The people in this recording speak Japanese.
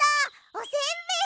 おせんべい！